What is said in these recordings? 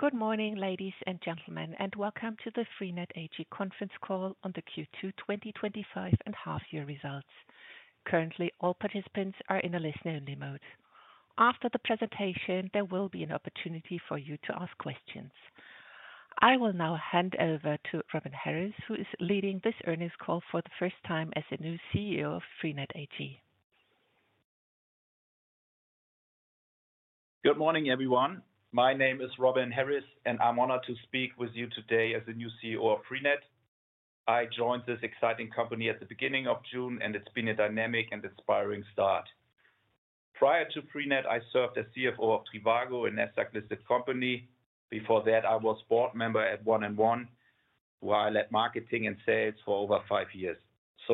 Good morning, ladies and gentlemen, and welcome to the freenet AG Conference Call on the Q2 2025 and Half-year Results. Currently, all participants are in a listener only mode. After the presentation, there will be an opportunity for you to ask questions. I will now hand over to Robin Harries, who is leading this earnings call for the first time as the new CEO of freenet AG. Good morning, everyone. My name is Robin Harries, and I'm honored to speak with you today as the new CEO of freenet. I joined this exciting company at the beginning of June, and it's been a dynamic and inspiring start. Prior to freenet, I served as CFO of Trivago, a NASDAQ-listed company. Before that, I was a board member at 1&1, where I led marketing and sales for over five years.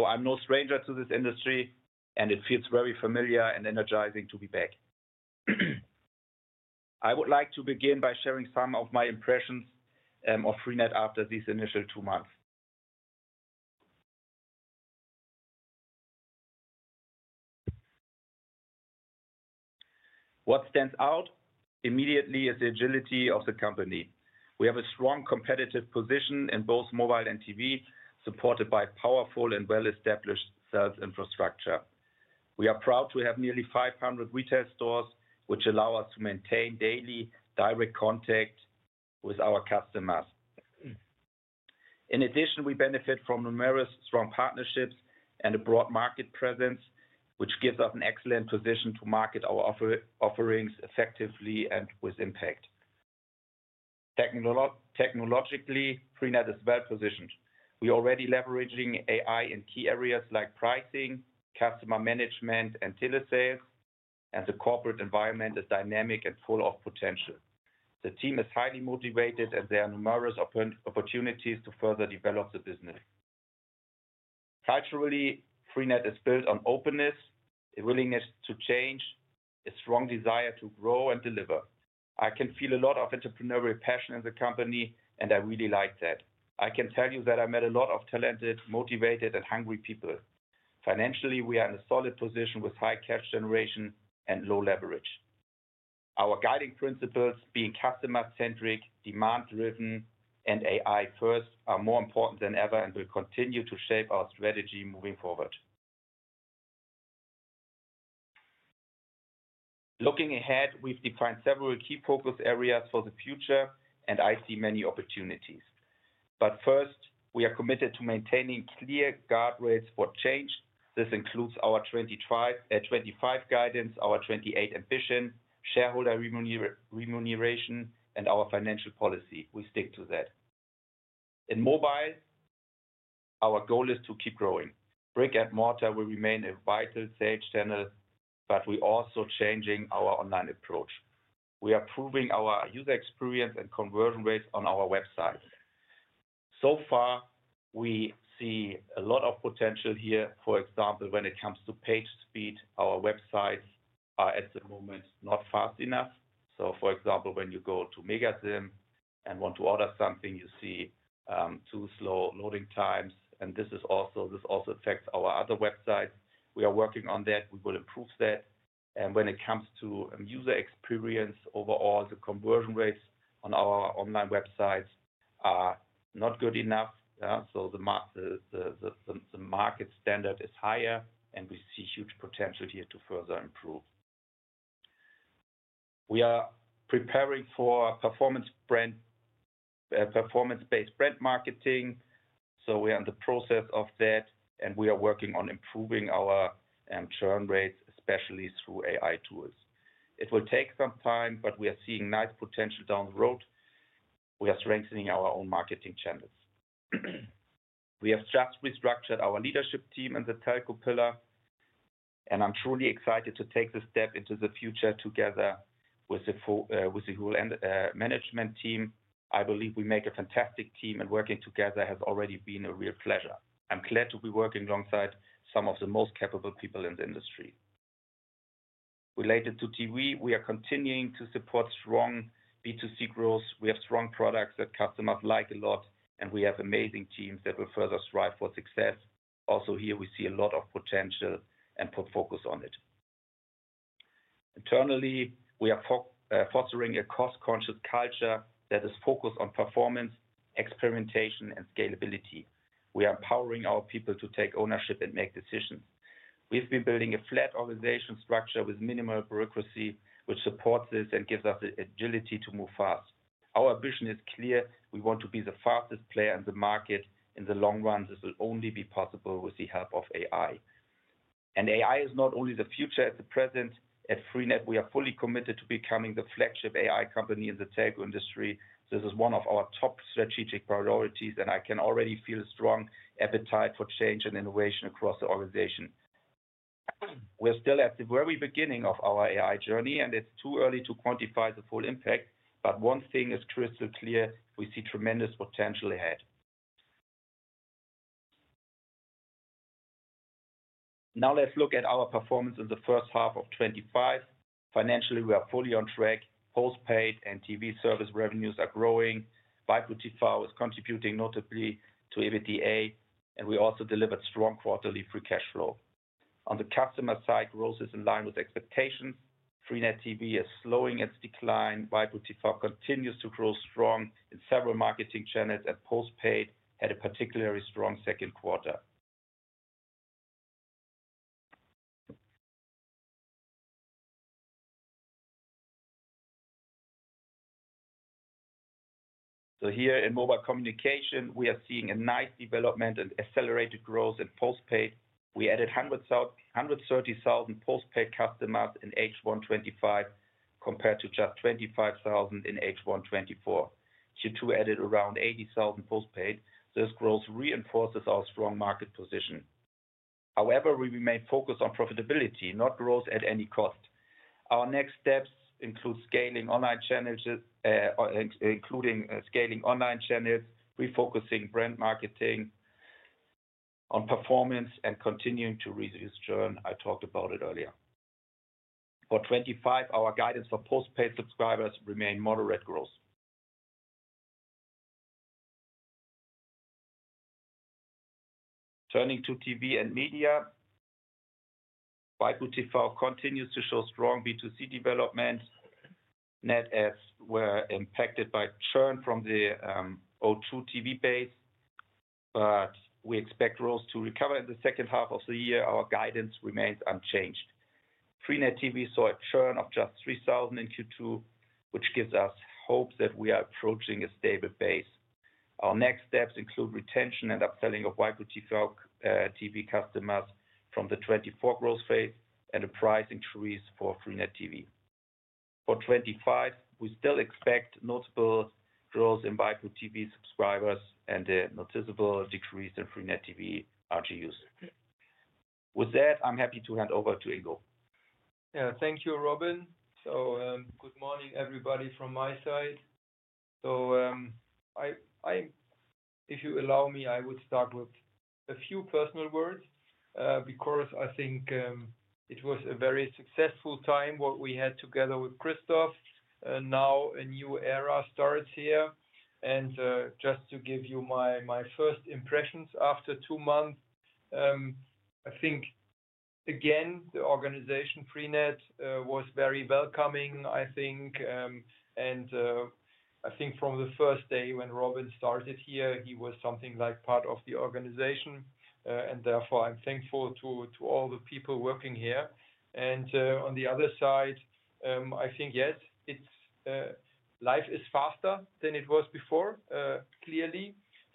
I'm no stranger to this industry, and it feels very familiar and energizing to be back. I would like to begin by sharing some of my impressions of freenet after these initial two months. What stands out immediately is the agility of the company. We have a strong competitive position in both mobile and TV services, supported by powerful and well-established sales infrastructure. We are proud to have nearly 500 retail stores, which allow us to maintain daily direct contact with our customers. In addition, we benefit from numerous strong partnerships and a broad market presence, which gives us an excellent position to market our offerings effectively and with impact. Technologically, freenet is well positioned. We are already leveraging AI in key areas like pricing, customer management, and telesales, and the corporate environment is dynamic and full of potential. The team is highly motivated, and there are numerous opportunities to further develop the business. Culturally, freenet is built on openness, a willingness to change, a strong desire to grow and deliver. I can feel a lot of entrepreneurial passion in the company, and I really like that. I can tell you that I met a lot of talented, motivated, and hungry people. Financially, we are in a solid position with high cash generation and low leverage. Our guiding principles, being customer-centric, demand-driven, and AI-first, are more important than ever and will continue to shape our strategy moving forward. Looking ahead, we've defined several key focus areas for the future, and I see many opportunities. First, we are committed to maintaining clear guardrails for change. This includes our 2025 guidance, our 2028 ambition, shareholder remuneration, and our financial policy. We stick to that. In mobile, our goal is to keep growing. Brick-and-mortar will remain a vital sales channel, but we're also changing our online approach. We are improving our user experience and conversion rates on our website. We see a lot of potential here. For example, when it comes to page speed, our websites are at the moment not fast enough. For example, when you go to Megasim and want to order something, you see too slow loading times, and this also affects our other websites. We are working on that. We will improve that. When it comes to user experience, overall, the conversion rates on our online websites are not good enough. The market standard is higher, and we see huge potential here to further improve. We are preparing for performance-based brand marketing. We are in the process of that, and we are working on improving our churn rates, especially through AI tools. It will take some time, but we are seeing nice potential down the road. We are strengthening our own marketing channels. We have just restructured our leadership team in the telco pillar, and I'm truly excited to take this step into the future together with the whole management team. I believe we make a fantastic team, and working together has already been a real pleasure. I'm glad to be working alongside some of the most capable people in the industry. Related to TV, we are continuing to support strong B2C growth. We have strong products that customers like a lot, and we have amazing teams that will further strive for success. Also here, we see a lot of potential and put focus on it. Internally, we are fostering a cost-conscious culture that is focused on performance, experimentation, and scalability. We are empowering our people to take ownership and make decisions. We've been building a flat organization structure with minimal bureaucracy, which supports this and gives us the agility to move fast. Our ambition is clear. We want to be the fastest player in the market. In the long run, this will only be possible with the help of AI. AI is not only the future; it's the present. At freenet, we are fully committed to becoming the flagship AI company in the telco industry. This is one of our top strategic priorities, and I can already feel a strong appetite for change and innovation across the organization. We're still at the very beginning of our AI journey, and it's too early to quantify the full impact, but one thing is crystal clear: we see tremendous potential ahead. Now let's look at our performance in the first half of 2025. Financially, we are fully on track. Postpaid and TV service revenues are growing. waipu.tv is contributing notably to EBITDA, and we also delivered strong quarterly free cash flow. On the customer side, growth is in line with expectations. Freenet TV is slowing its decline. waipu.tv continues to grow strong in several marketing channels, and postpaid had a particularly strong second quarter. Here in mobile communication, we are seeing a nice development and accelerated growth in postpaid. We added 130,000 postpaid customers in H1 2025 compared to just 25,000 in H1 2024. Since we added around 80,000 postpaid, this growth reinforces our strong market position. However, we remain focused on profitability, not growth at any cost. Our next steps include scaling online channels, refocusing brand marketing on performance, and continuing to reduce churn. I talked about it earlier. For 2025, our guidance for postpaid subscribers remains moderate growth. Turning to TV and media, waipu.tv continues to show strong B2C development. Net adds were impacted by churn from the O2 TV base, but we expect growth to recover in the second half of the year. Our guidance remains unchanged. Freenet TV saw a churn of just 3,000 in Q2, which gives us hope that we are approaching a stable base. Our next steps include retention and upselling of waipu.tv customers from the 2024 growth phase and the price increase for freenet TV. For 2025, we still expect notable growth in waipu.tv subscribers and a noticeable decrease in Freenet TV RGUs. With that, I'm happy to hand over to Ingo. Yeah, thank you, Robin. Good morning, everybody, from my side. If you allow me, I would start with a few personal words because I think it was a very successful time, what we had together with Christoph. Now a new era starts here. Just to give you my first impressions after two months, I think, again, the organization Freenet was very welcoming, I think. From the first day when Robin started here, he was something like part of the organization. Therefore, I'm thankful to all the people working here. On the other side, I think, yes, life is faster than it was before, clearly.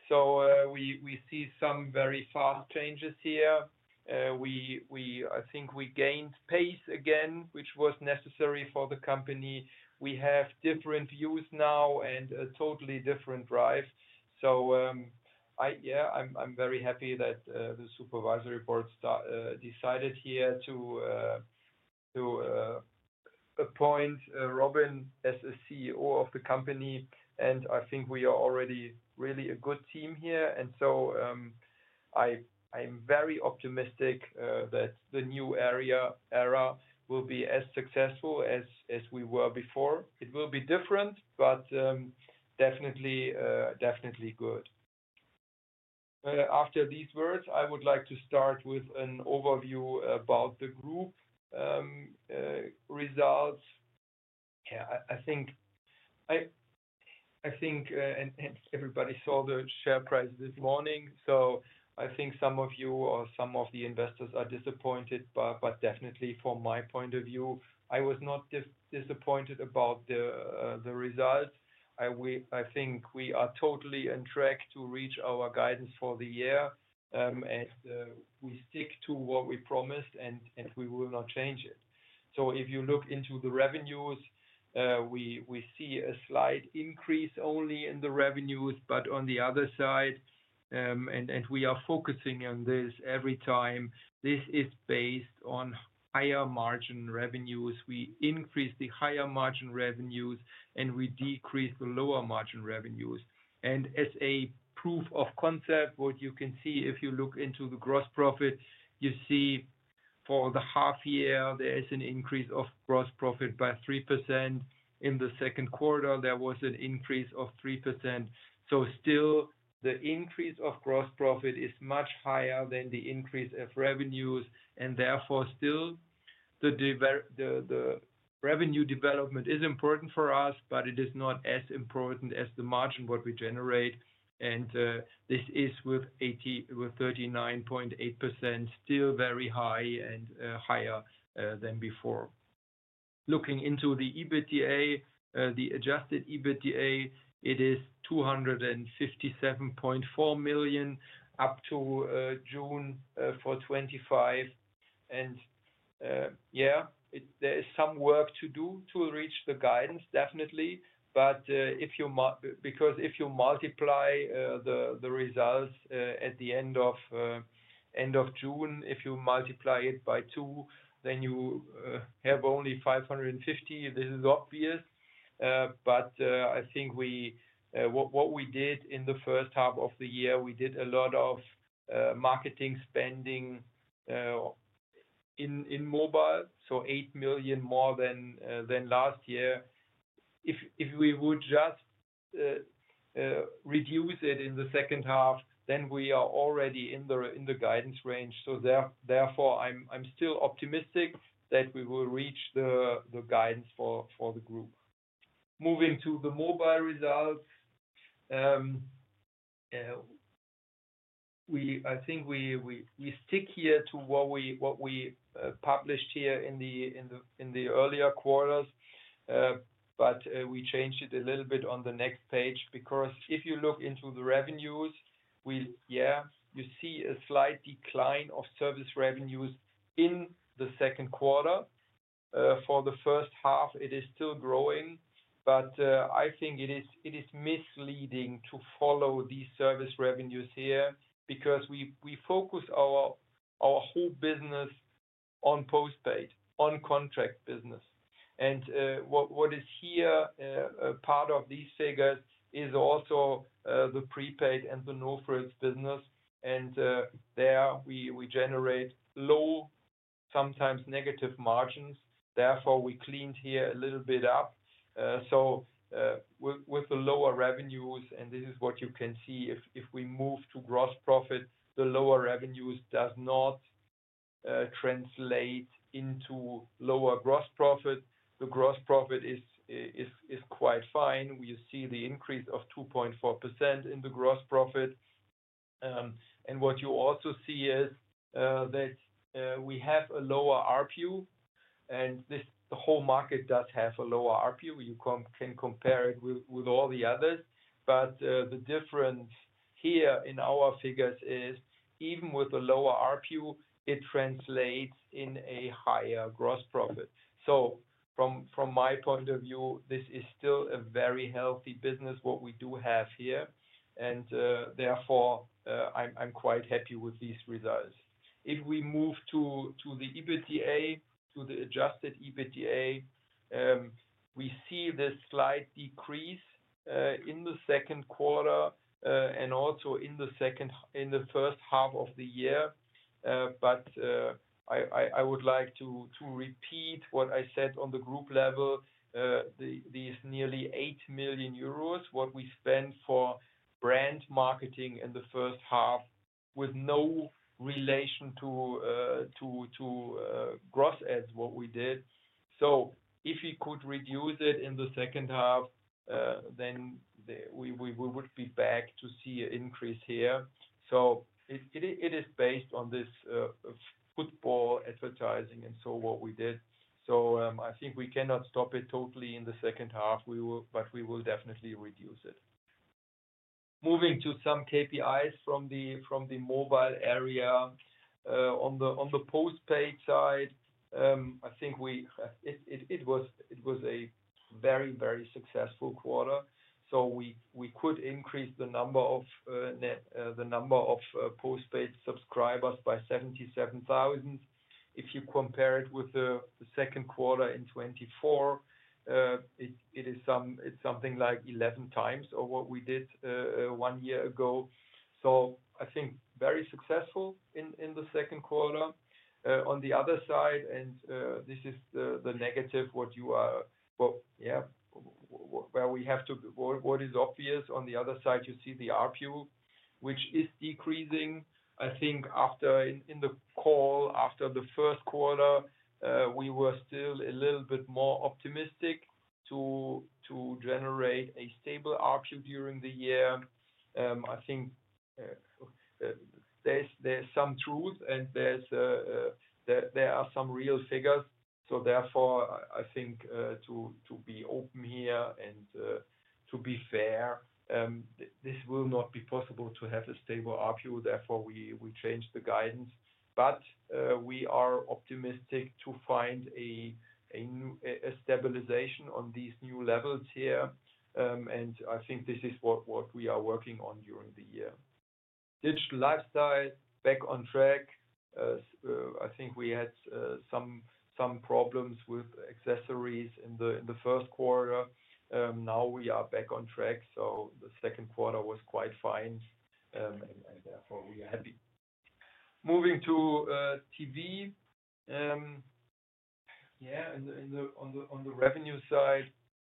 We see some very fast changes here. I think we gained pace again, which was necessary for the company. We have different views now and a totally different drive. I'm very happy that the Supervisory Board decided here to appoint Robin as CEO of the company. I think we are already really a good team here. I'm very optimistic that the new era will be as successful as we were before. It will be different, but definitely good. After these words, I would like to start with an overview about the group results. I think everybody saw the share price this morning. I think some of you or some of the investors are disappointed, but definitely from my point of view, I was not disappointed about the results. I think we are totally on track to reach our guidance for the year, and we stick to what we promised, and we will not change it. If you look into the revenues, we see a slight increase only in the revenues, but on the other side, and we are focusing on this every time, this is based on higher margin revenues. We increase the higher margin revenues, and we decrease the lower margin revenues. As a proof of concept, what you can see if you look into the gross profit, you see for the half year, there's an increase of gross profit by 3%. In the second quarter, there was an increase of 3%. Still, the increase of gross profit is much higher than the increase of revenues. Therefore, still, the revenue development is important for us, but it is not as important as the margin what we generate. This is with 39.8%, still very high and higher than before. Looking into the EBITDA, the adjusted EBITDA, it is 257.4 million up to June for 2025. There is some work to do to reach the guidance, definitely. If you multiply the results at the end of June, if you multiply it by two, then you have only 550. This is obvious. I think what we did in the first half of the year, we did a lot of marketing spending in mobile, so 8 million more than last year. If we would just reduce it in the second half, then we are already in the guidance range. Therefore, I'm still optimistic that we will reach the guidance for the group. Moving to the mobile results, I think we stick here to what we published in the earlier quarters, but we changed it a little bit on the next page because if you look into the revenues, you see a slight decline of service revenues in the second quarter. For the first half, it is still growing, but I think it is misleading to follow these service revenues here because we focus our whole business on postpaid, on contract business. What is here, a part of these figures, is also the prepaid and the no-frills business. There, we generate low, sometimes negative margins. Therefore, we cleaned here a little bit up. With the lower revenues, and this is what you can see, if we move to gross profit, the lower revenues do not translate into lower gross profit. The gross profit is quite fine. You see the increase of 2.4% in the gross profit. What you also see is that we have a lower ARPU. The whole market does have a lower ARPU. You can compare it with all the others. The difference here in our figures is, even with a lower ARPU, it translates in a higher gross profit. From my point of view, this is still a very healthy business, what we do have here. Therefore, I'm quite happy with these results. If we move to the EBITDA, to the adjusted EBITDA, we see this slight decrease in the second quarter and also in the first half of the year. I would like to repeat what I said on the group level. These nearly 8 million euros, what we spent for brand marketing in the first half, with no relation to gross ads, what we did. If we could reduce it in the second half, then we would be back to see an increase here. It is based on this football advertising and what we did. I think we cannot stop it totally in the second half, but we will definitely reduce it. Moving to some KPIs from the mobile area, on the postpaid side, I think it was a very, very successful quarter. We could increase the number of postpaid subscribers by 77,000. If you compare it with the second quarter in 2024, it's something like 11x of what we did one year ago. I think very successful in the second quarter. On the other side, and this is the negative, what you are, yeah, where we have to, what is obvious. On the other side, you see the ARPU, which is decreasing. I think after in the call, after the first quarter, we were still a little bit more optimistic to generate a stable ARPU during the year. I think there's some truth, and there are some real figures. Therefore, I think to be open here and to be fair, this will not be possible to have a stable ARPU. Therefore, we changed the guidance. We are optimistic to find a stabilization on these new levels here. I think this is what we are working on during the year. Digital lifestyle, back on track. I think we had some problems with accessories in the first quarter. Now we are back on track. The second quarter was quite fine. Therefore, we are happy. Moving to TV, yeah, on the revenue side,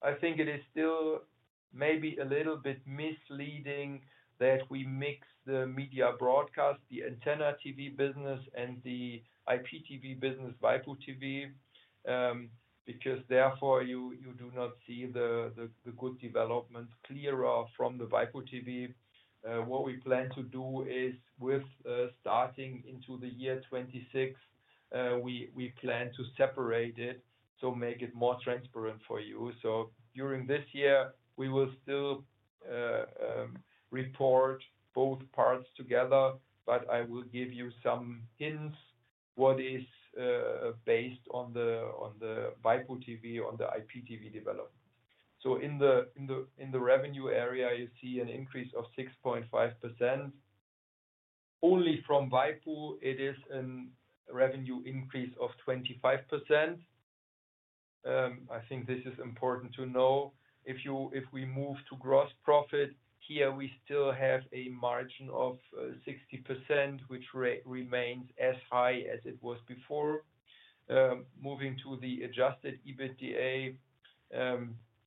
I think it is still maybe a little bit misleading that we mix the media broadcast, the antenna TV business, and the IPTV business, waipu.tv, because therefore, you do not see the good developments clearer from the waipu.tv. What we plan to do is, with starting into the year 2026, we plan to separate it, so make it more transparent for you. During this year, we will still report both parts together, but I will give you some hints what is based on the waipu.tv, on the IPTV development. In the revenue area, you see an increase of 6.5%. Only from waipu, it is a revenue increase of 25%. I think this is important to know. If we move to gross profit, here we still have a margin of 60%, which remains as high as it was before. Moving to the adjusted EBITDA,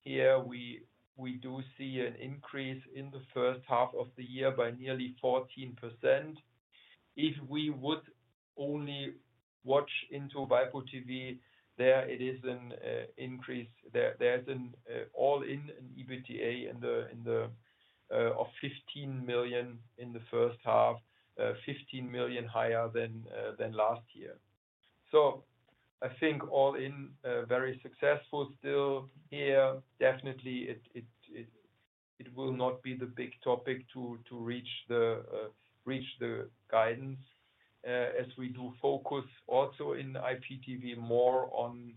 here we do see an increase in the first half of the year by nearly 14%. If we would only watch into waipu.tv, there is an increase. There's an all-in in EBITDA of 15 million in the first half, 15 million higher than last year. I think all-in very successful still here. Definitely, it will not be the big topic to reach the guidance as we do focus also in IPTV more on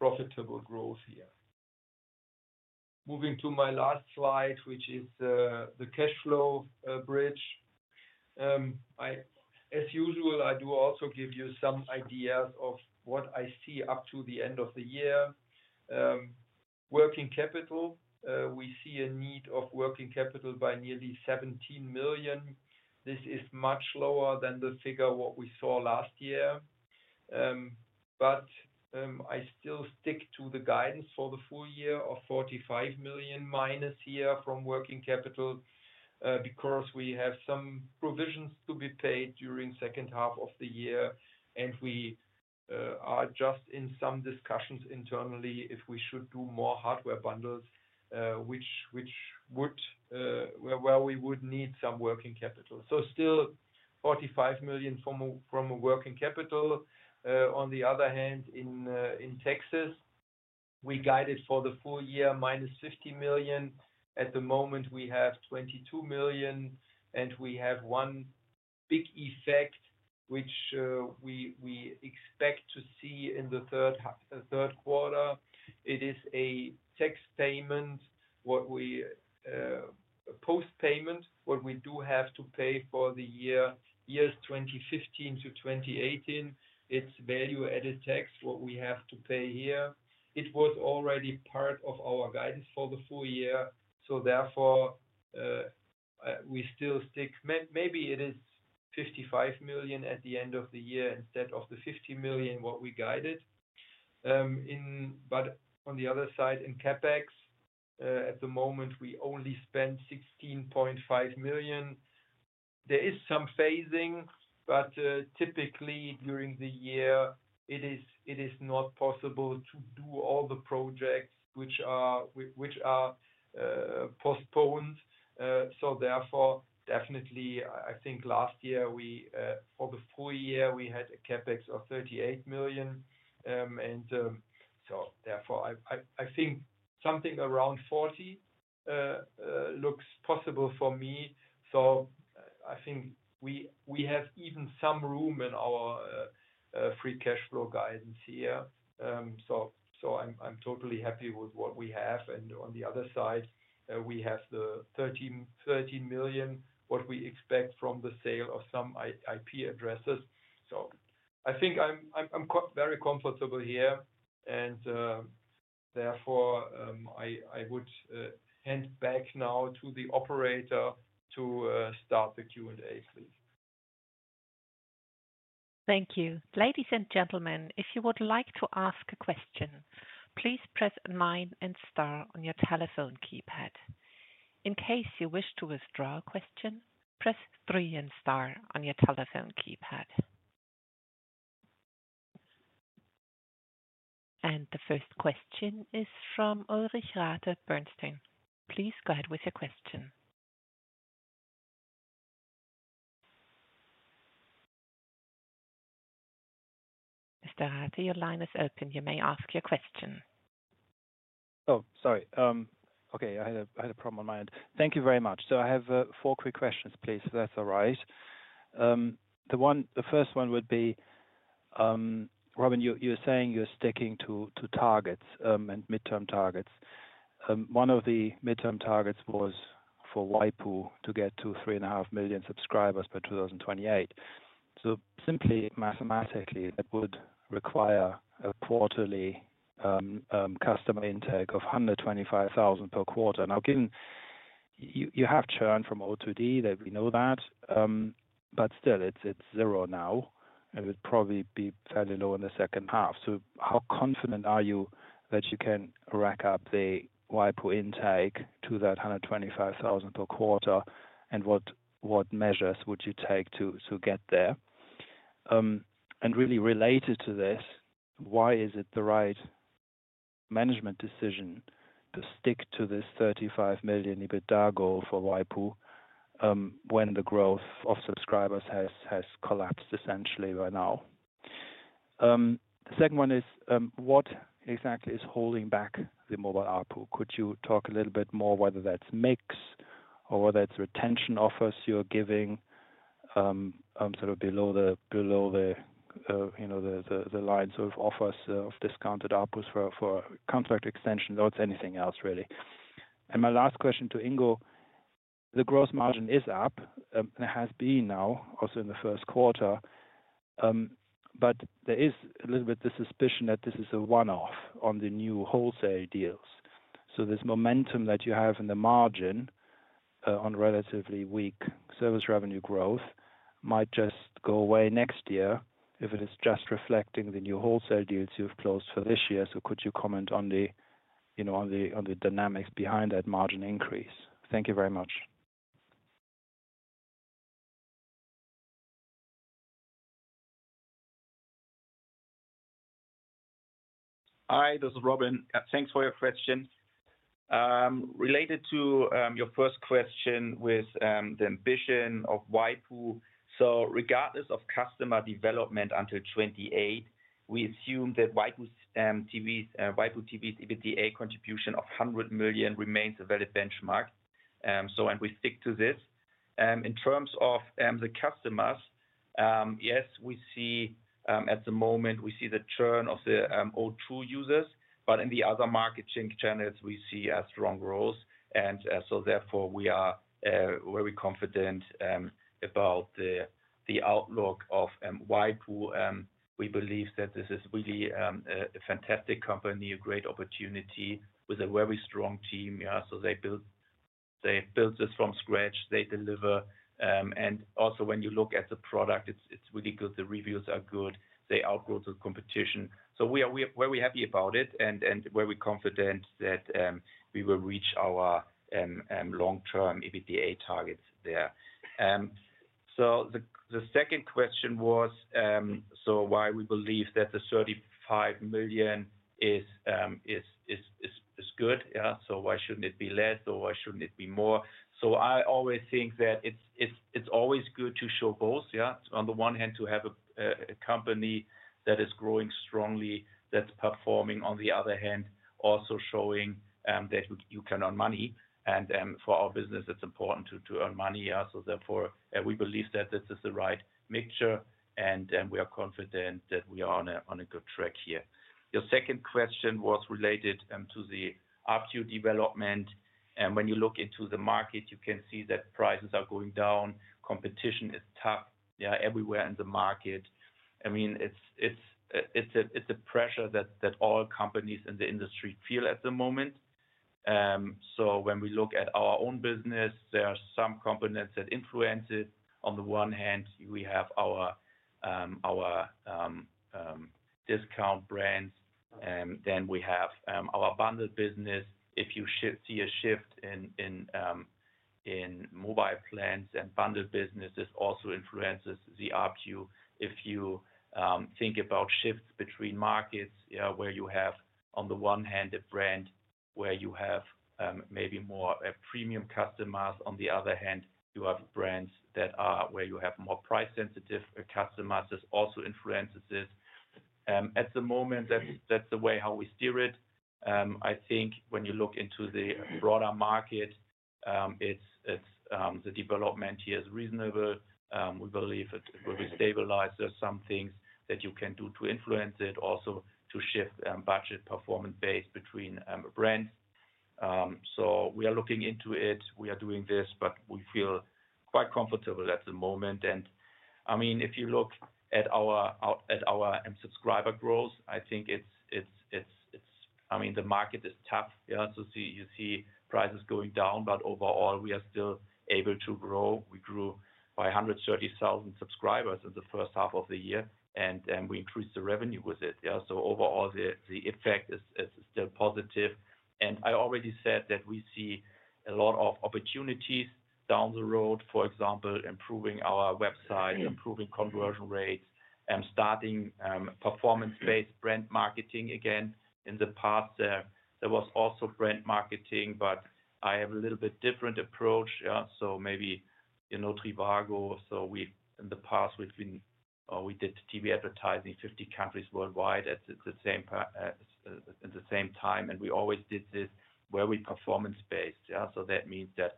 profitable growth here. Moving to my last slide, which is the cash flow bridge. As usual, I do also give you some ideas of what I see up to the end of the year. Working capital, we see a need of working capital by nearly 17 million. This is much lower than the figure what we saw last year. I still stick to the guidance for the full year of -45 million here from working capital because we have some provisions to be paid during the second half of the year. We are just in some discussions internally if we should do more hardware bundles, which would mean we would need some working capital. Still 45 million from working capital. On the other hand, in taxes, we guided for the full year -50 million. At the moment, we have 22 million. We have one big effect, which we expect to see in the third quarter. It is a tax payment, a post-payment, that we have to pay for the years 2015 to 2018. It's value-added tax that we have to pay here. It was already part of our guidance for the full year. Therefore, we still stick, maybe it is 55 million at the end of the year instead of the 50 million that we guided. On the other side, in CapEx, at the moment, we only spent 16.5 million. There is some phasing, but typically during the year, it is not possible to do all the projects which are postponed. Definitely, I think last year, for the full year, we had a CapEx of 38 million. Therefore, I think something around 40 million looks possible for me. I think we have even some room in our free cash flow guidance here. I'm totally happy with what we have. On the other side, we have the 13 million that we expect from the sale of some IP addresses. I think I'm very comfortable here. Therefore, I would hand back now to the operator to start the Q&A, please. Thank you. Ladies and gentlemen, if you would like to ask a question, please press nine and star on your telephone keypad. In case you wish to withdraw a question, press three and star on your telephone keypad. The first question is from Ulrich Rathe, Bernstein. Please go ahead with your question. Mr. Rathe, your line is open. You may ask your question. Oh, sorry. Okay. I had a problem on my end. Thank you very much. I have four quick questions, please, if that's all right. The first one would be, Robin, you're saying you're sticking to targets and midterm targets. One of the midterm targets was for waipu.tv to get to 3.5 million subscribers by 2028. Simply, mathematically, that would require a quarterly customer intake of 125,000 per quarter. Given you have churn from O2, we know that, but still, it's zero now, and it would probably be fairly low in the second half. How confident are you that you can rack up the waipu.tv intake to that 125,000 per quarter, and what measures would you take to get there? Related to this, why is it the right management decision to stick to this 35 million EBITDA goal for waipu.tv when the growth of subscribers has collapsed essentially by now? The second one is, what exactly is holding back the mobile app? Could you talk a little bit more whether that's mix or whether it's retention offers you're giving, sort of below-the-line offers of discounted apples for contract extension loads, anything else, really? My last question to Ingo, the gross margin is up and it has been now also in the first quarter, but there is a little bit of the suspicion that this is a one-off on the new wholesale deals. This momentum that you have in the margin on relatively weak service revenue growth might just go away next year if it is just reflecting the new wholesale deals you've closed for this year. Could you comment on the dynamics behind that margin increase? Thank you very much. Hi. This is Robin. Thanks for your question. Related to your first question with the ambition of waipu.tv, regardless of customer development until 2028, we assume that waipu.tv's EBITDA contribution of 100 million remains a valid benchmark, and we stick to this. In terms of the customers, yes, at the moment, we see the churn of the O2 users, but in the other marketing channels, we see strong growth. Therefore, we are very confident about the outlook of waipu.tv. We believe that this is really a fantastic company, a great opportunity with a very strong team. They built this from scratch. They deliver. Also, when you look at the product, it's really good. The reviews are good. They outgrow the competition. We are very happy about it and very confident that we will reach our long-term EBITDA targets there. The second question was why we believe that the 35 million is good. Why shouldn't it be less, or why shouldn't it be more? I always think that it's good to show both. On the one hand, to have a company that is growing strongly, that's performing. On the other hand, also showing that you can earn money. For our business, it's important to earn money. Therefore, we believe that this is the right mixture, and we are confident that we are on a good track here. Your second question was related to the ARPU development. When you look into the market, you can see that prices are going down. Competition is tough everywhere in the market. It's a pressure that all companies in the industry feel at the moment. When we look at our own business, there are some components that influence it. On the one hand, we have our discount brands, and then we have our bundled business. If you see a shift in mobile plans and bundled business, this also influences the ARPU. If you think about shifts between markets, where you have, on the one hand, a brand where you have maybe more premium customers, on the other hand, you have brands where you have more price-sensitive customers. This also influences this. At the moment, that's the way how we steer it. I think when you look into the broader market, the development here is reasonable. We believe it will be stabilized. There are some things that you can do to influence it, also to shift budget performance base between brands. We are looking into it. We are doing this, but we feel quite comfortable at the moment. If you look at our subscriber growth, I think it's, I mean, the market is tough. You see prices going down, but overall, we are still able to grow. We grew by 130,000 subscribers in the first half of the year, and we increased the revenue with it. Overall, the effect is still positive. I already said that we see a lot of opportunities down the road, for example, improving our website, improving conversion rates, and starting performance-based brand marketing. In the past, there was also brand marketing, but I have a little bit different approach. Maybe you know Trivago. In the past, we did TV advertising in 50 countries worldwide at the same time, and we always did this very performance-based. That means that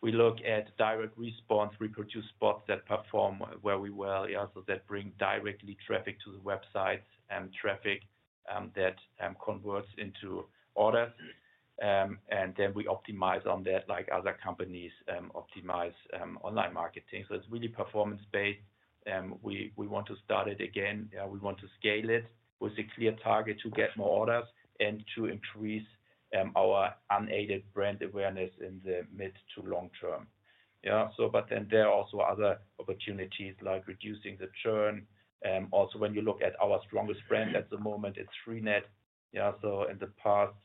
we look at direct response, reproduce spots that perform very well. That brings directly traffic to the websites and traffic that converts into orders. We optimize on that, like other companies optimize online marketing. It's really performance-based. We want to start it again. We want to scale it with a clear target to get more orders and to increase our unaided brand awareness in the mid to long term. There are also other opportunities like reducing the churn. Also, when you look at our strongest brand at the moment, it's freenet. In the past,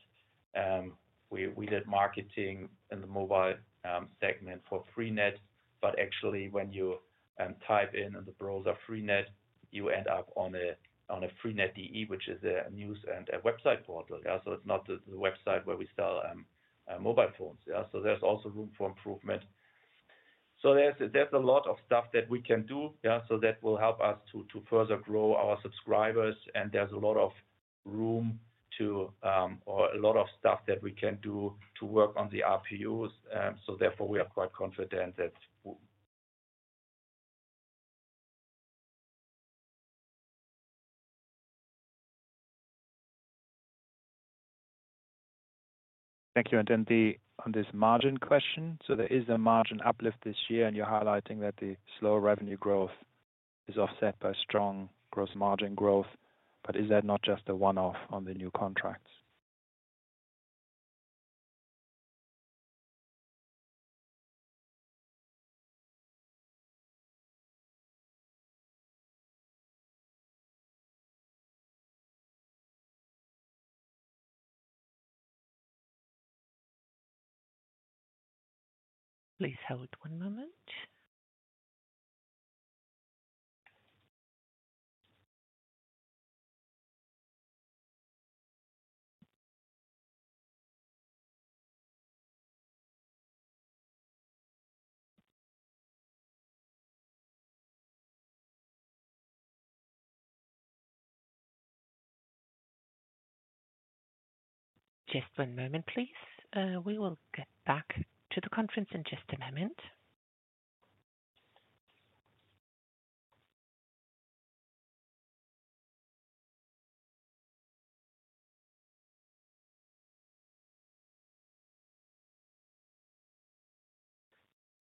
we did marketing in the mobile segment for freenet. Actually, when you type in the browser freenet, you end up on freenet.de, which is a news and a website portal. It's not the website where we sell mobile phones. There's also room for improvement. There's a lot of stuff that we can do. That will help us to further grow our subscribers. There's a lot of room to or a lot of stuff that we can do to work on the ARPUs. Therefore, we are quite confident that. Thank you. On this margin question, there is a margin uplift this year, and you're highlighting that the slow revenue growth is offset by strong gross margin growth. Is that not just the one-off on the new contracts? Please hold one moment. Just one moment, please. We will get back to the conference in just a moment.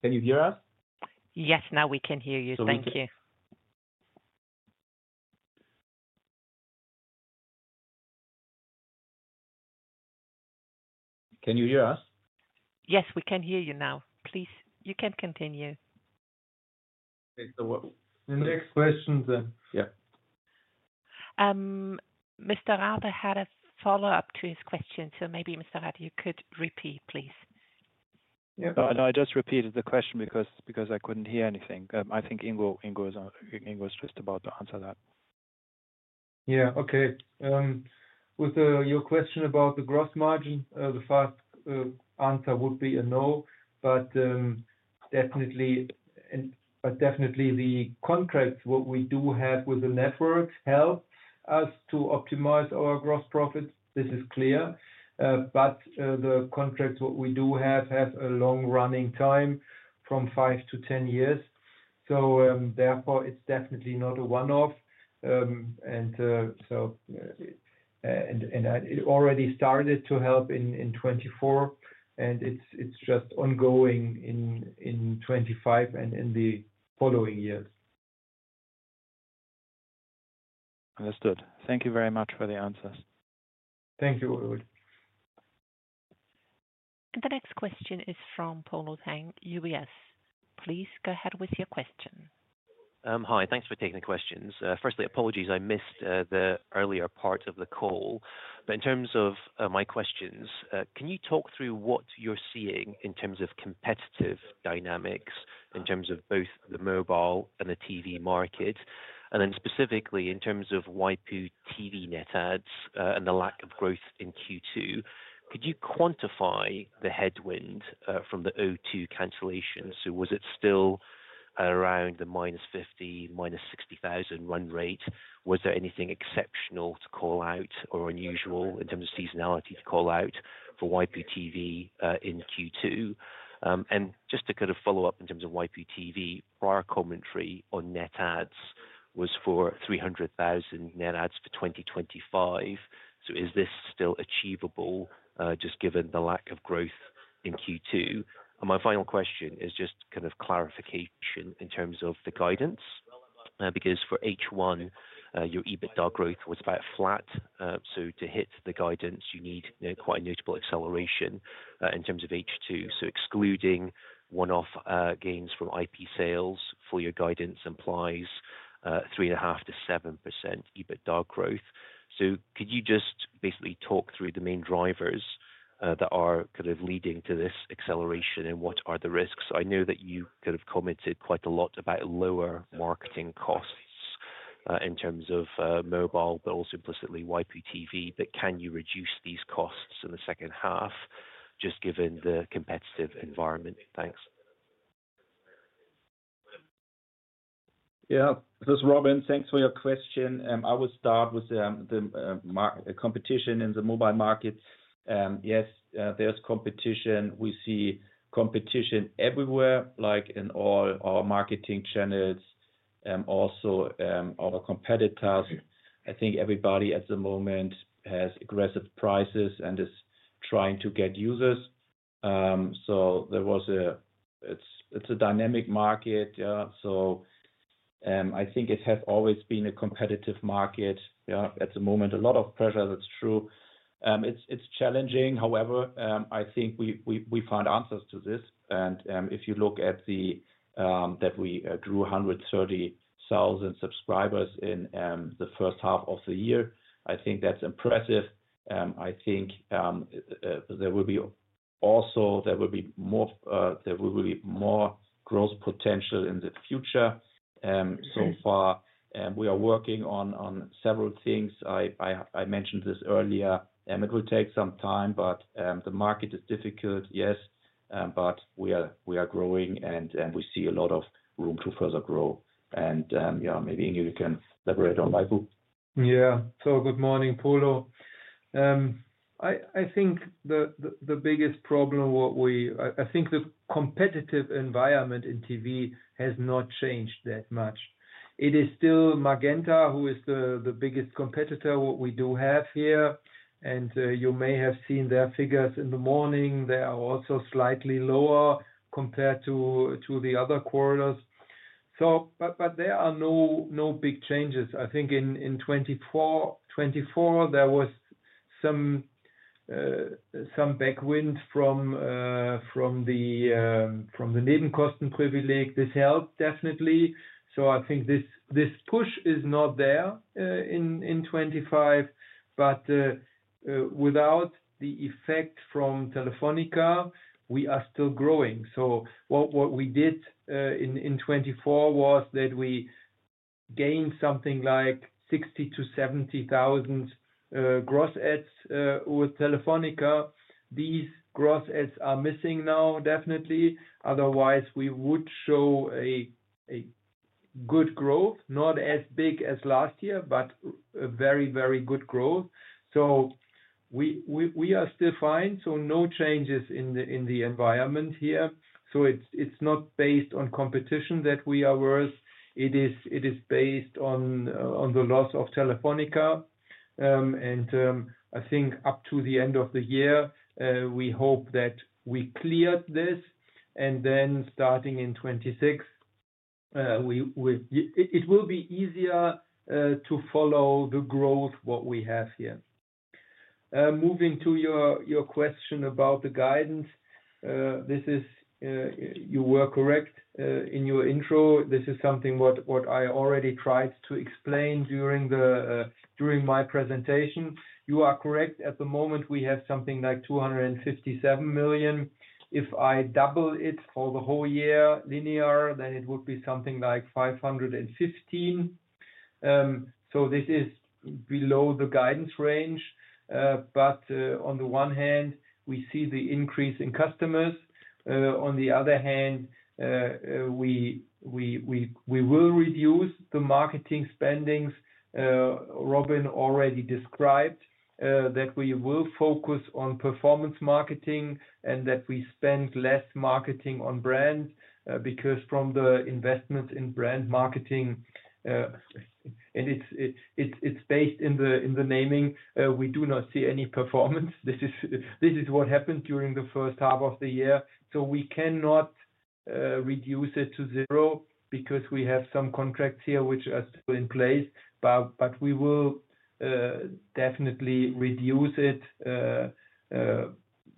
Can you hear us? Yes, now we can hear you. Thank you. Can you hear us? Yes, we can hear you now. Please, you can continue. Okay. So. Next question, then. Yeah. Mr. Rathe had a follow-up to his question. Maybe, Mr. Rathe, you could repeat, please. Yeah, I just repeated the question because I couldn't hear anything. I think Ingo is just about to answer that. Yeah. Okay. With your question about the gross margin, the fast answer would be a no. Definitely, the contracts what we do have with the network help us to optimize our gross profit. This is clear. The contracts what we do have have a long running time from 5 to 10 years. Therefore, it's definitely not a one-off. It already started to help in 2024, and it's just ongoing in 2025 and in the following years. Understood. Thank you very much for the answers. Thank you Ulrich The next question is from Polo Tang, UBS Investment Bank. Please go ahead with your question. Hi. Thanks for taking the questions. Firstly, apologies. I missed the earlier part of the call. In terms of my questions, can you talk through what you're seeing in terms of competitive dynamics in both the mobile and the TV market? Specifically, in terms of waipu.tv net ads and the lack of growth in Q2, could you quantify the headwind from the O2 cancellations? Was it still around the -50,000, - 60,000 run rate? Was there anything exceptional to call out or unusual in terms of seasonality to call out for waipu.tv in Q2? Just to follow up in terms of waipu.tv, prior commentary on net ads was for 300,000 net ads for 2025. Is this still achievable given the lack of growth in Q2? My final question is clarification in terms of the guidance because for H1, your EBITDA growth was about flat. To hit the guidance, you need quite a notable acceleration in H2. Excluding one-off gains from IP sales, your guidance implies 3.5%-7% EBITDA growth. Could you talk through the main drivers that are leading to this acceleration and what are the risks? I know that you commented quite a lot about lower marketing costs in mobile, but also implicitly waipu.tv. Can you reduce these costs in the second half given the competitive environment? Thanks. Yeah. This is Robin. Thanks for your question. I will start with the competition in the mobile market. Yes, there's competition. We see competition everywhere, like in all our marketing channels and also our competitors. I think everybody at the moment has aggressive prices and is trying to get users. It's a dynamic market. I think it has always been a competitive market. At the moment, a lot of pressure. That's true. It's challenging. However, I think we find answers to this. If you look at that we drew 130,000 subscribers in the first half of the year, I think that's impressive. I think there will be more growth potential in the future. So far, we are working on several things. I mentioned this earlier. It will take some time, but the market is difficult, yes, but we are growing and we see a lot of room to further grow. Maybe Ingo, you can elaborate on waipu.tv. Yeah. Good morning, Polo. I think the biggest problem, I think the competitive environment in TV has not changed that much. It is still Magenta, who is the biggest competitor we do have here. You may have seen their figures in the morning. They are also slightly lower compared to the other quarters. There are no big changes. I think in 2024, there was some backwind from the Neben-Kosten-Privileg. This helped definitely. I think this push is not there in 2025. Without the effect from Telefónica, we are still growing. What we did in 2024 was that we gained something like 60,000-70,000 gross ads with Telefónica. These gross ads are missing now, definitely. Otherwise, we would show a good growth, not as big as last year, but a very, very good growth. We are still fine. No changes in the environment here. It is not based on competition that we are worse. It is based on the loss of Telefónica. I think up to the end of the year, we hope that we cleared this. Starting in 2026, it will be easier to follow the growth we have here. Moving to your question about the guidance, you were correct in your intro. This is something I already tried to explain during my presentation. You are correct. At the moment, we have something like 257 million. If I double it for the whole year, linear, then it would be something like 515 million. This is below the guidance range. On the one hand, we see the increase in customers. On the other hand, we will reduce the marketing spendings. Robin already described that we will focus on performance marketing and that we spend less marketing on brand because from the investments in brand marketing, and it's based in the naming, we do not see any performance. This is what happened during the first half of the year. We cannot reduce it to zero because we have some contracts here which are still in place. We will definitely reduce it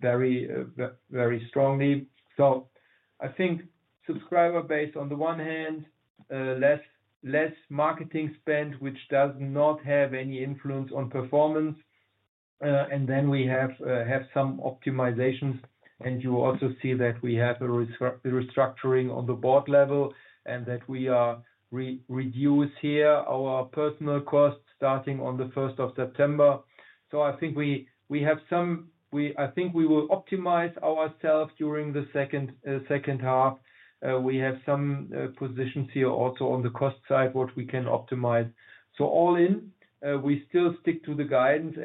very strongly. I think subscriber based, on the one hand, less marketing spend, which does not have any influence on performance. Then we have some optimizations. You also see that we have a restructuring on the board level and that we reduce here our personnel costs starting on the 1st of September. I think we will optimize ourselves during the second half. We have some positions here also on the cost side, which we can optimize. All in, we still stick to the guidance.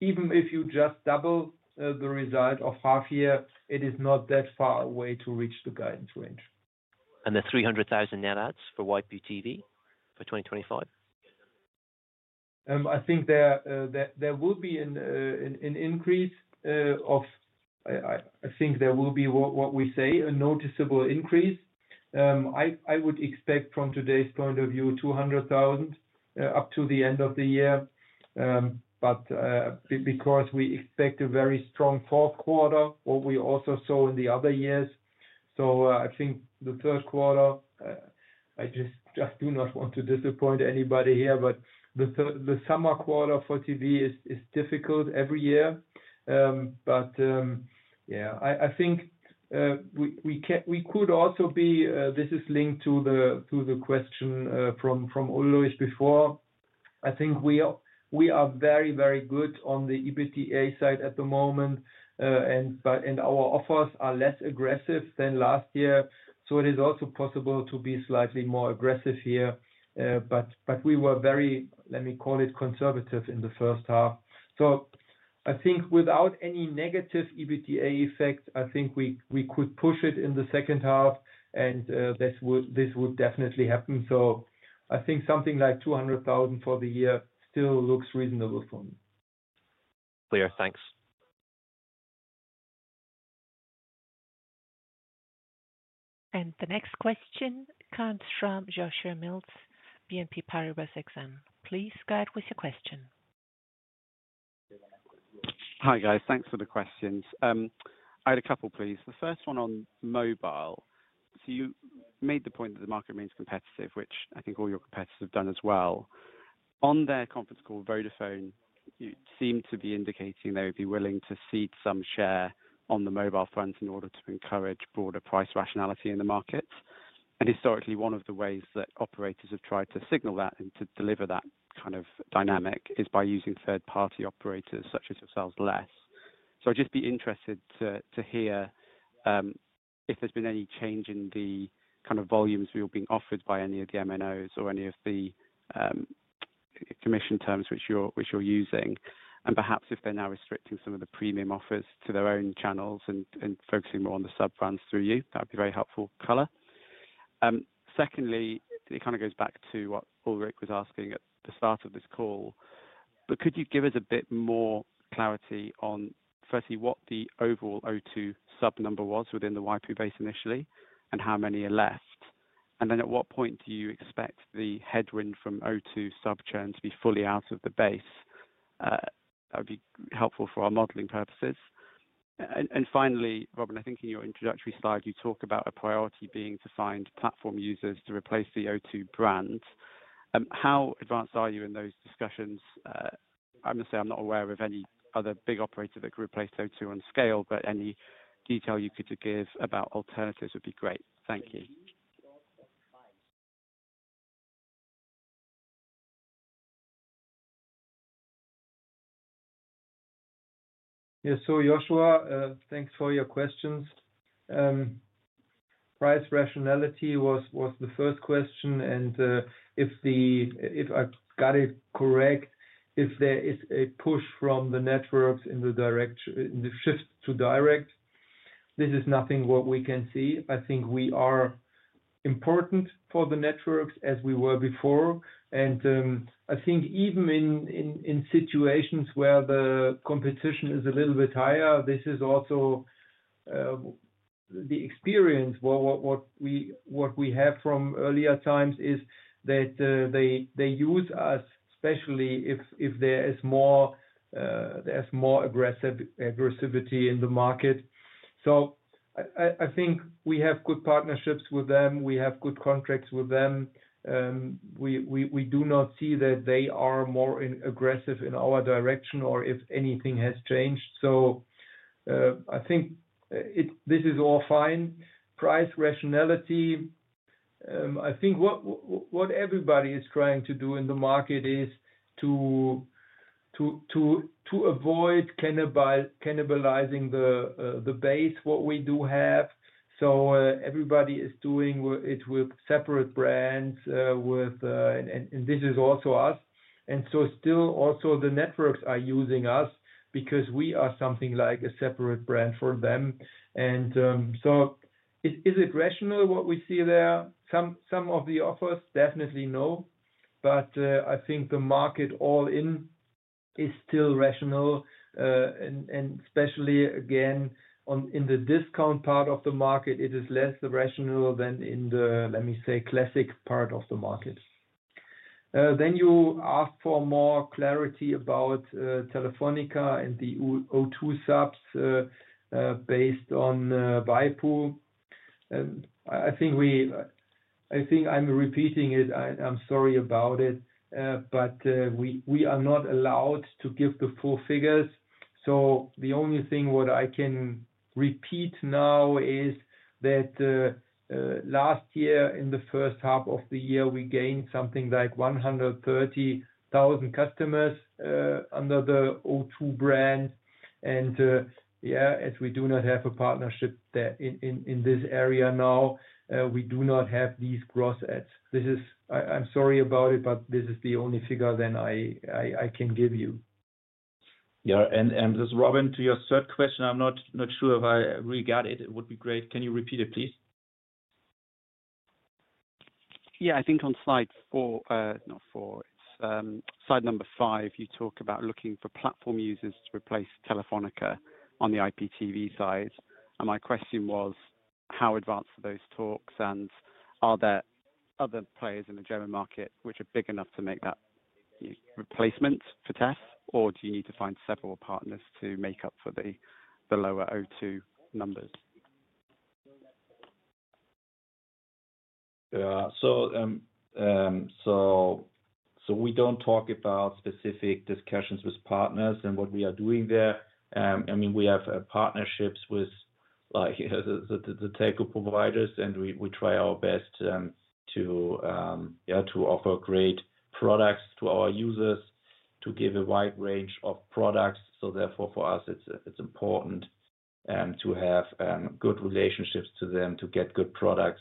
Even if you just double the result of half year, it is not that far away to reach the guidance range. The 300,000 net adds for waipu.tv for 2025? I think there will be a noticeable increase. I would expect from today's point of view, 200,000 up to the end of the year because we expect a very strong fourth quarter, which we also saw in the other years. I think the third quarter, I just do not want to disappoint anybody here, but the summer quarter for TV is difficult every year. I think we could also be, this is linked to the question from Ulrich before. I think we are very, very good on the EBITDA side at the moment, and our offers are less aggressive than last year. It is also possible to be slightly more aggressive here. We were very, let me call it, conservative in the first half. I think without any negative EBITDA effect, we could push it in the second half, and this would definitely happen. I think something like 200,000 for the year still looks reasonable for me. Clear. Thanks. The next question comes from Joshua Mills, BNP Paribas Exane. Please go ahead with your question. Hi, guys. Thanks for the questions. I had a couple, please. The first one on mobile. You made the point that the market remains competitive, which I think all your competitors have done as well. On their conference call with Vodafone, you seem to be indicating they would be willing to cede some share on the mobile phones in order to encourage broader price rationality in the market. Historically, one of the ways that operators have tried to signal that and to deliver that kind of dynamic is by using third-party operators such as yourselves less. I'd just be interested to hear if there's been any change in the kind of volumes we are being offered by any of the MNOs or any of the commission terms which you're using. Perhaps if they're now restricting some of the premium offers to their own channels and focusing more on the sub-brands through you, that would be very helpful, color. Secondly, it kind of goes back to what Ulrich was asking at the start of this call. Could you give us a bit more clarity on, firstly, what the overall O2 sub-number was within the viable base initially and how many are left? At what point do you expect the headwind from O2 sub-churn to be fully out of the base? That would be helpful for our modeling purposes. Finally, Robin, I think in your introductory slide, you talk about a priority being to find platform users to replace the O2 brand. How advanced are you in those discussions? I'm going to say I'm not aware of any other big operator that could replace O2 on scale, but any detail you could give about alternatives would be great. Thank you. Yeah. Joshua, thanks for your questions. Price rationality was the first question. If I got it correct, if there is a push from the networks in the shift to direct, this is nothing we can see. I think we are important for the networks as we were before. I think even in situations where the competition is a little bit higher, this is also the experience. What we have from earlier times is that they use us, especially if there is more aggressivity in the market. I think we have good partnerships with them. We have good contracts with them. We do not see that they are more aggressive in our direction or if anything has changed. I think this is all fine. Price rationality, I think what everybody is trying to do in the market is to avoid cannibalizing the base we do have. Everybody is doing it with separate brands, and this is also us. Still, also the networks are using us because we are something like a separate brand for them. Is it rational what we see there? Some of the offers, definitely no. I think the market all in is still rational. Especially, again, in the discount part of the market, it is less rational than in the, let me say, classic part of the market. You asked for more clarity about Telefónica and the O2 subs based on waipu.tv. I think I'm repeating it. I'm sorry about it. We are not allowed to give the full figures. The only thing I can repeat now is that last year, in the first half of the year, we gained something like 130,000 customers under the O2 brand. As we do not have a partnership in this area now, we do not have these gross ads. I'm sorry about it, but this is the only figure that I can give you. Yeah. This is Robin. To your third question, I'm not sure if I really got it. It would be great. Can you repeat it, please? I think on slide four, no, four, it's slide number five, you talk about looking for platform users to replace Telefónica on the IPTV side. My question was, how advanced are those talks? Are there other players in the German market which are big enough to make that replacement for Telefónica, or do you need to find several partners to make up for the lower O2 numbers? We don't talk about specific discussions with partners and what we are doing there. We have partnerships with the telco providers, and we try our best to offer great products to our users, to give a wide range of products. Therefore, for us, it's important to have good relationships to them to get good products.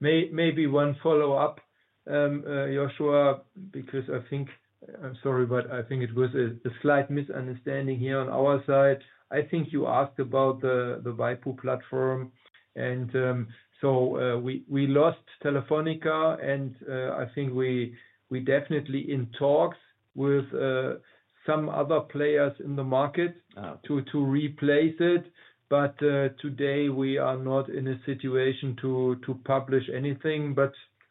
Maybe one follow-up, Joshua, because I think I'm sorry, but I think it was a slight misunderstanding here on our side. I think you asked about the waipu.tv platform. We lost Telefónica, and we are definitely in talks with some other players in the market to replace it. Today, we are not in a situation to publish anything.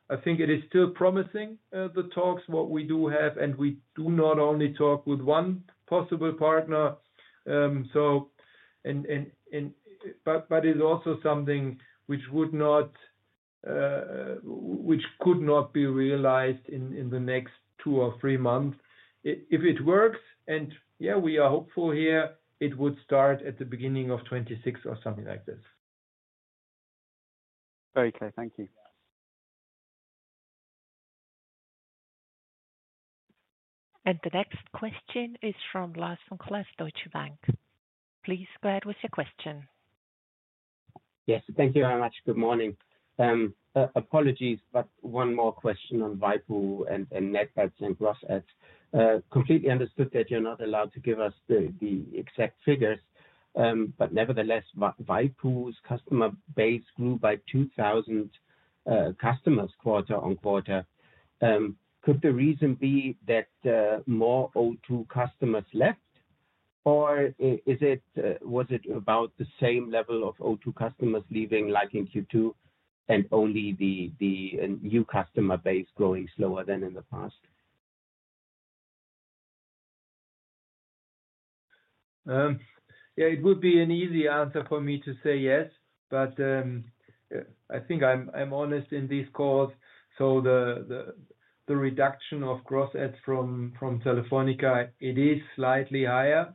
It is still promising, the talks that we do have. We do not only talk with one possible partner. It's also something which could not be realized in the next two or three months. If it works, and yeah, we are hopeful here, it would start at the beginning of 2026 or something like this. Okay, thank you. The next question is from Lars Vom Cleff, Deutsche Bank. Please go ahead with your question. Yes. Thank you very much. Good morning. Apologies, but one more question on waipu.tv and net ads and gross ads. Completely understood that you're not allowed to give us the exact figures. Nevertheless, waipu.tv's customer base grew by 2,000 customers quarter on quarter. Could the reason be that more O2 customers left? Was it about the same level of O2 customers leaving like in Q2 and only the new customer base growing slower than in the past? Yeah, it would be an easy answer for me to say yes. I think I'm honest in these calls. The reduction of gross ads from Telefónica, it is slightly higher,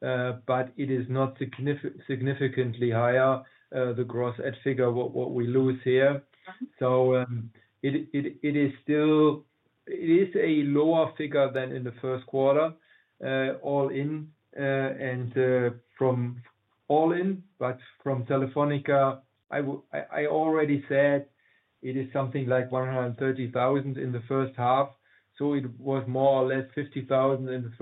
but it is not significantly higher, the gross ad figure what we lose here. It is still a lower figure than in the first quarter, all in. From all in, but from Telefónica, I already said it is something like 130,000 in the first half. It was more or less 50,000 in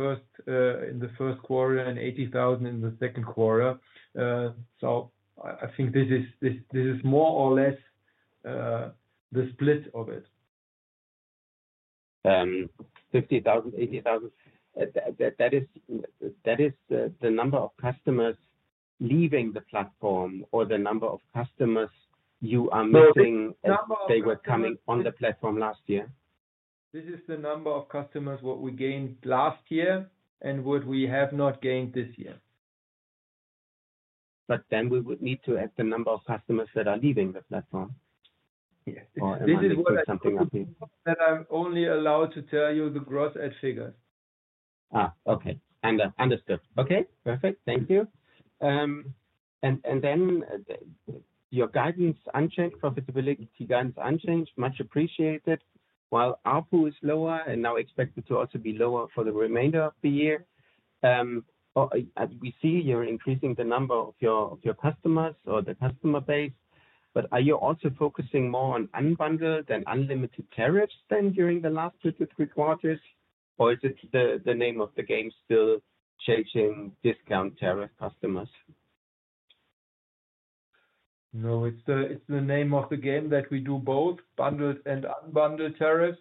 the first quarter and 80,000 in the second quarter. I think this is more or less the split of it. 50,000, 80,000, is that the number of customers leaving the platform or the number of customers you are missing if they were coming on the platform last year? This is the number of customers that we gained last year and that we have not gained this year. We would need to have the number of customers that are leaving the platform. Yes, this is what I'm only allowed to tell you, the gross ad figures. Okay. Understood. Okay. Perfect. Thank you. Your guidance unchanged, profitability guidance unchanged, much appreciated. While ARPU is lower and now expected to also be lower for the remainder of the year, we see you're increasing the number of your customers or the customer base. Are you also focusing more on unbundled and unlimited tariffs than during the last two to three quarters? Is it the name of the game still chasing discount tariff customers? No, it's the name of the game that we do both bundled and unbundled tariffs.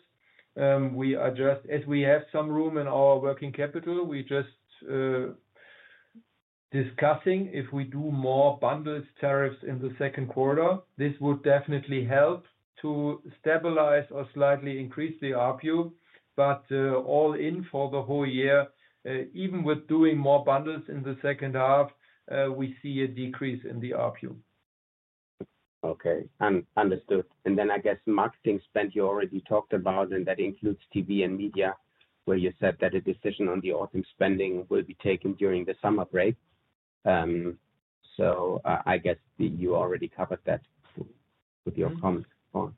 We are just, as we have some room in our working capital, discussing if we do more bundled tariffs in the second quarter. This would definitely help to stabilize or slightly increase the ARPU. All in for the whole year, even with doing more bundles in the second half, we see a decrease in the ARPU. Okay. Understood. I guess marketing spend you already talked about, and that includes TV and media, where you said that a decision on the authentic spending will be taken during the summer break. I guess you already covered that with your comments. Go on.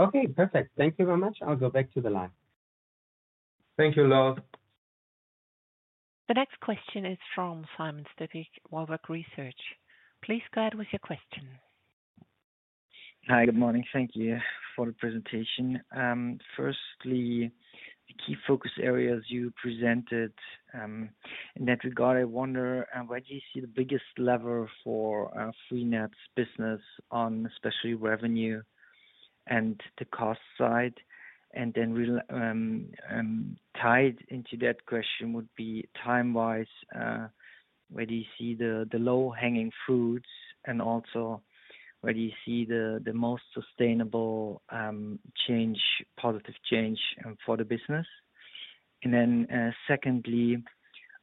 Okay. Perfect. Thank you very much. I'll go back to the line. Thank you, Lars. The next question is from Simon Stippig, Warburg Research. Please go ahead with your question. Hi. Good morning. Thank you for the presentation. Firstly, the key focus areas you presented, in that regard, I wonder where do you see the biggest lever for freenet's business on especially revenue and the cost side? Then tied into that question would be time-wise, where do you see the low-hanging fruits and also where do you see the most sustainable positive change for the business? Secondly,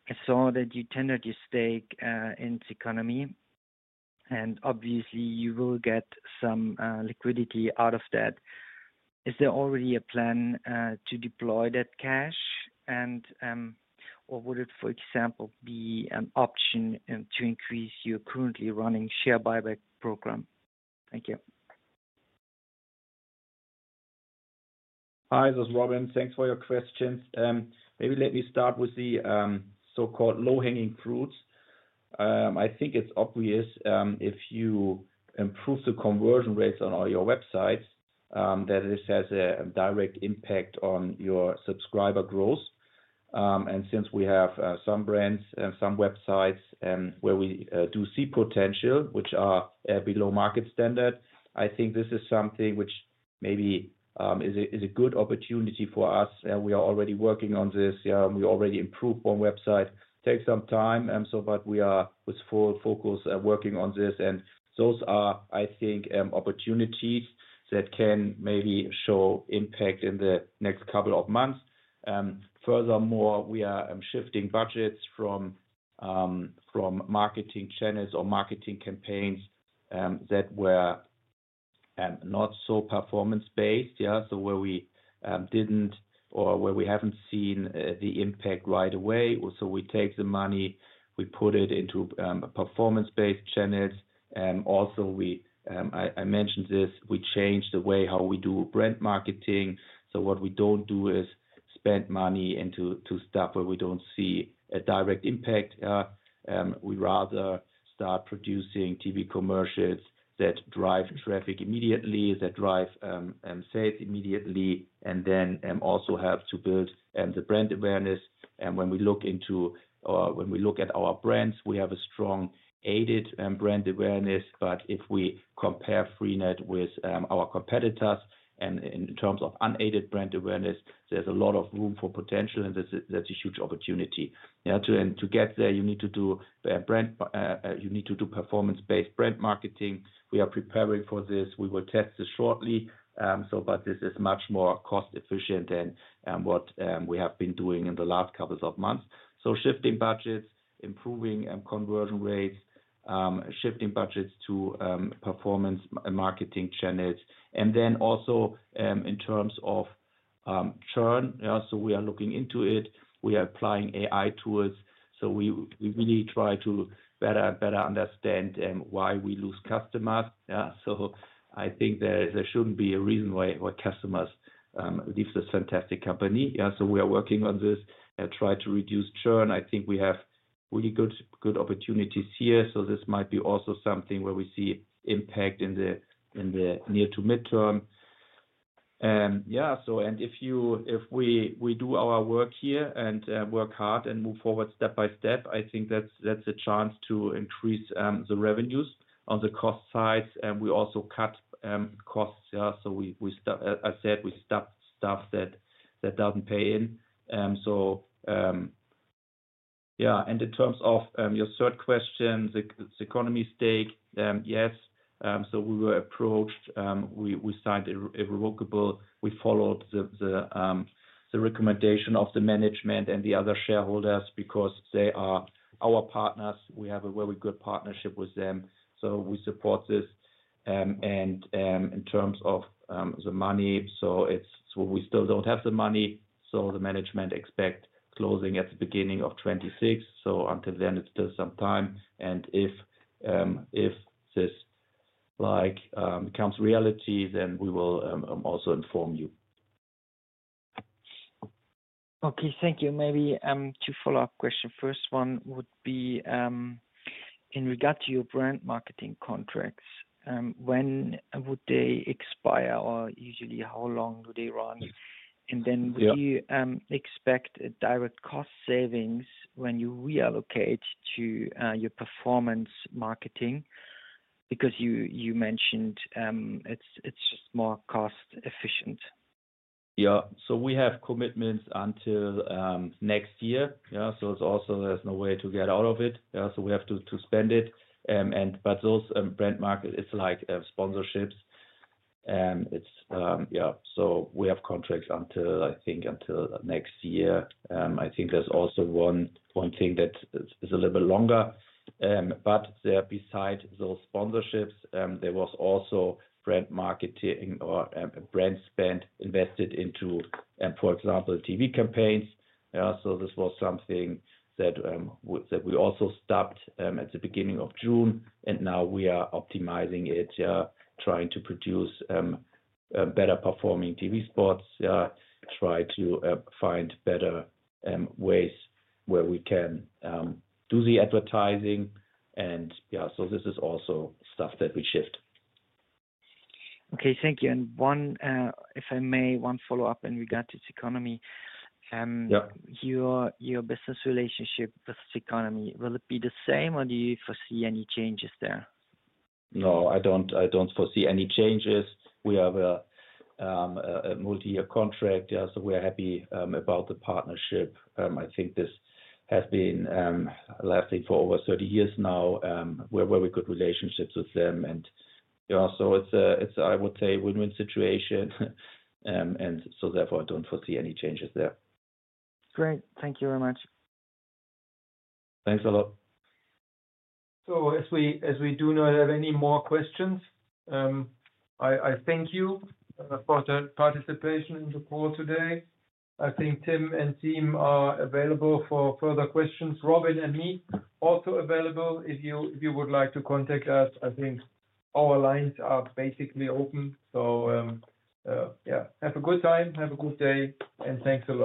I saw that you tendered your stake in the economy. Obviously, you will get some liquidity out of that. Is there already a plan to deploy that cash? Would it, for example, be an option to increase your currently running share buyback program? Thank you. Hi. This is Robin. Thanks for your questions. Maybe let me start with the so-called low-hanging fruits. I think it's obvious if you improve the conversion rates on all your websites that this has a direct impact on your subscriber growth. Since we have some brands and some websites where we do see potential, which are below market standard, I think this is something which maybe is a good opportunity for us. We are already working on this. We already improved one website. It takes some time, but we are with full focus working on this. Those are, I think, opportunities that can maybe show impact in the next couple of months. Furthermore, we are shifting budgets from marketing channels or marketing campaigns that were not so performance-based, where we didn't or where we haven't seen the impact right away. We take the money, we put it into performance-based channels. Also, I mentioned this, we change the way how we do brand marketing. What we don't do is spend money into stuff where we don't see a direct impact. We rather start producing TV commercials that drive traffic immediately, that drive sales immediately, and then also help to build the brand awareness. When we look at our brands, we have a strong aided brand awareness. If we compare freenet with our competitors in terms of unaided brand awareness, there's a lot of room for potential, and that's a huge opportunity. To get there, you need to do performance-based brand marketing. We are preparing for this. We will test this shortly. This is much more cost-efficient than what we have been doing in the last couple of months. Shifting budgets, improving conversion rates, shifting budgets to performance and marketing channels. In terms of churn, we are looking into it. We are applying AI tools. We really try to better and better understand why we lose customers. I think there shouldn't be a reason why customers leave this fantastic company. We are working on this and try to reduce churn. I think we have really good opportunities here. This might be also something where we see impact in the near to midterm. If we do our work here and work hard and move forward step by step, I think that's a chance to increase the revenues on the cost sides. We also cut costs. We stopped, I said, we stopped stuff that doesn't pay in. In terms of your third question, the economy stake, yes. We were approached. We signed a revocable. We followed the recommendation of the management and the other shareholders because they are our partners. We have a very good partnership with them. We support this. In terms of the money, we still don't have the money. The management expects closing at the beginning of 2026. Until then, it's still some time. If this becomes reality, then we will also inform you. Thank you. Maybe two follow-up questions. First one would be in regard to your brand marketing contracts. When would they expire, or usually, how long do they run? Would you expect a direct cost savings when you reallocate to your performance marketing? Because you mentioned it's just more cost-efficient. We have commitments until next year. There's no way to get out of it. We have to spend it. Those brand markets, it's like sponsorships. We have contracts until, I think, until next year. I think there's also one thing that is a little bit longer. Besides those sponsorships, there was also brand marketing or brand spend invested into, for example, TV campaigns. This was something that we also stopped at the beginning of June. Now we are optimizing it, trying to produce better performing TV spots, try to find better ways where we can do the advertising. This is also stuff that we shift. Thank you. If I may, one follow-up in regard to the economy. Your business relationship with economy, will it be the same, or do you foresee any changes there? No, I don't foresee any changes. We have a multi-year contract. We're happy about the partnership. I think this has been lasting for over 30 years now. We have very good relationships with them. I would say it's a win-win situation. Therefore, I don't foresee any changes there. Great. Thank you very much. Thanks a lot. As we do not have any more questions, I thank you for the participation in the call today. I think Tim and team are available for further questions. Robin and I are also available if you would like to contact us. I think our lines are basically open. Have a good time. Have a good day, and thanks a lot.